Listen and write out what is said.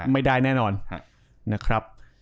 ไม่ได้แน่นอนนะครับ